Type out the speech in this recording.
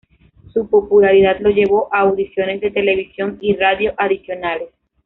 Su popularidad lo llevó a audiciones de televisión y radio adicionales.